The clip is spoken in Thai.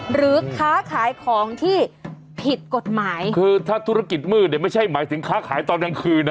หรือค้าขายของที่ผิดกฎหมายคือถ้าธุรกิจมืดเนี่ยไม่ใช่หมายถึงค้าขายตอนกลางคืนอ่ะ